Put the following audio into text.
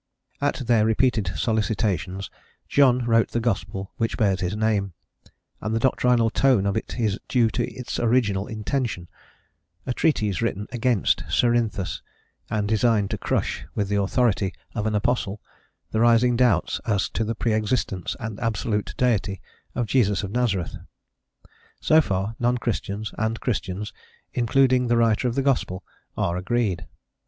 At their repeated solicitations, John wrote the gospel which bears his name, and the doctrinal tone of it is due to its original intention, a treatise written against Cerinthus, and designed to crush, with the authority of an apostle, the rising doubts as to the pre existence and absolute deity of Jesus of Nazareth. So far non Christians and Christians including the writer of the gospel are agreed.